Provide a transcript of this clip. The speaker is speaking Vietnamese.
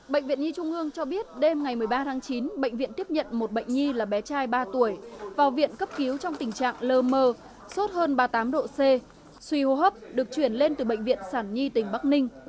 bệnh viện nhi trung ương cho biết đêm ngày một mươi ba tháng chín bệnh viện tiếp nhận một bệnh nhi là bé trai ba tuổi vào viện cấp cứu trong tình trạng lơ mơ sốt hơn ba mươi tám độ c suy hô hấp được chuyển lên từ bệnh viện sản nhi tỉnh bắc ninh